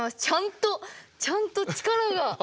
ちゃんとちゃんと力が。